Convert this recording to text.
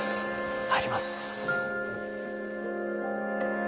入ります。